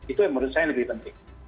itu yang menurut saya lebih penting